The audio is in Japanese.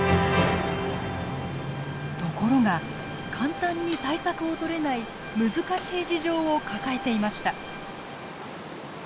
ところが簡単に対策をとれない難しい事情を抱えていました。